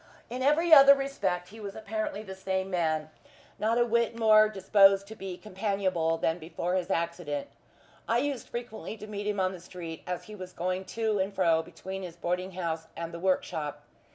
In every other respect he was apparently the same; not a whit more disposed to be companionable than before his accident. I used frequently to meet him on the street, as he was going to and fro between his boarding house and the work shop.